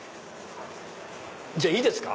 じゃあいいですか？